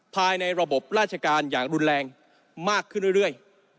ภายในระบบราชการอย่างรุนแรงมากขึ้นเรื่อย